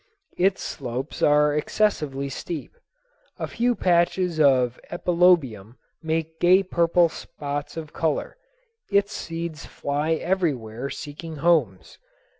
Its slopes are excessively steep. A few patches of epilobium make gay purple spots of color. Its seeds fly everywhere seeking homes.